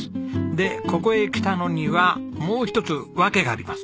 でここへ来たのにはもう一つ訳があります。